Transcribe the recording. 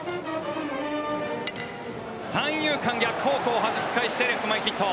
三遊間逆方向、はじき返して、レフト前ヒット。